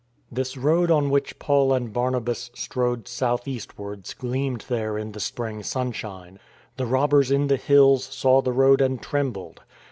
This road on which Paul and Barnabas strode south eastwards gleamed there in the spring sunshine. The robbers in the hills saw the road and trembled.